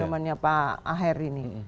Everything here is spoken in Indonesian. jumannya pak akhir ini